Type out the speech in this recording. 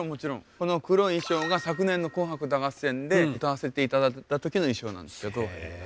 この黒い衣装が昨年の「紅白歌合戦」で歌わせていただいた時の衣装なんですけど。